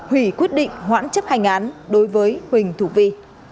hoãn chấp hành án phạt tù đối với huỳnh thục vi